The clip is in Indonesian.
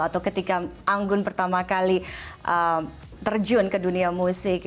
atau ketika anggun pertama kali terjun ke dunia musik